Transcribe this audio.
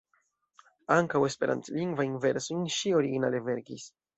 Ankaŭ esperantlingvajn versojn ŝi originale verkis.